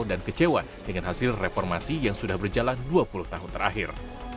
dan kecewa dengan hasil reformasi yang sudah berjalan dua puluh tahun terakhir